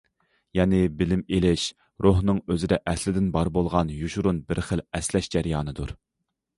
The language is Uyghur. يەنى بىلىم ئېلىش روھنىڭ ئۆزىدە ئەسلىدىن بار بولغان يوشۇرۇن بىر خىل ئەسلەش جەريانىدۇر.